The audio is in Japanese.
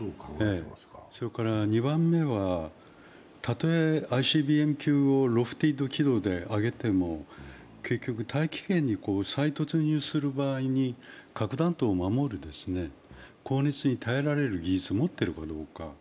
それから２番目は、たとえＩＣＢＭ級をロフテッド軌道で上げても結局、大気圏に再突入する場合に核弾頭を守る、高熱に耐えられる技術を持っているかどうか。